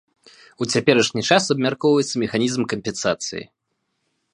У цяперашні час абмяркоўваецца механізм кампенсацыі.